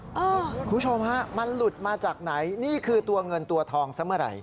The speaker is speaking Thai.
คุณผู้ชมฮะมันหลุดมาจากไหนนี่คือตัวเงินตัวทองซะเมื่อไหร่